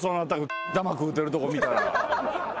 玉食うてるとこ見たら。